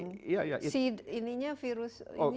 si ini virus ini sudah